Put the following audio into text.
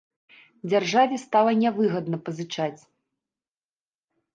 Дзяржаве стала нявыгадна пазычаць!